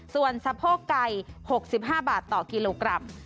ส่วนสะโพกไก่๖๕บาทต่อกิโลกรัม